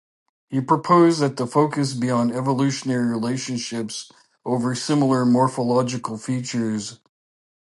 He proposed that the focus be on evolutionary relationships over similar morphological features.